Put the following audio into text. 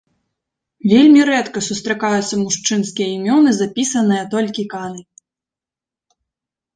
Вельмі рэдка сустракаюцца мужчынскія імёны, запісаныя толькі канай.